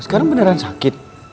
sekarang beneran sakit